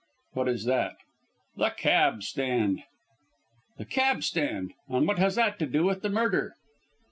"What is that?" "The cab stand." "The cab stand! And what has that to do with the murder?"